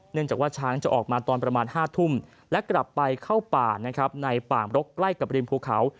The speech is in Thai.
เนื่องจากว่าช้างจะออกมาตอนประมาณ๕ทุ่มและกลับไปเข้าป่าในป่างโรคใกล้กับดินพูเขา